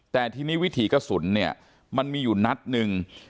แต่ทีนี้วิถีกระสุนเนี่ยมันมีอยู่นัดหนึ่ง